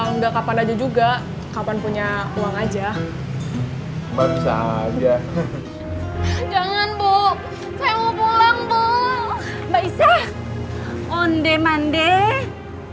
makanya yang gak usah dilihat